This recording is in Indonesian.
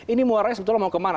ini muaranya sebetulnya mau kemana